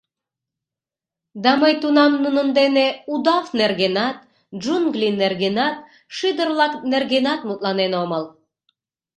Да мый тунам нунын дене удав нергенат, джунгли нергенат, шӱдыр-влак нергенат мутланен омыл.